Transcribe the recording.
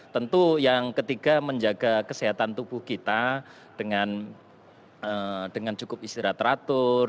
tentu yang ketiga menjaga kesehatan tubuh kita dengan cukup istirahat teratur